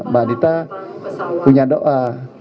mbak adita punya doa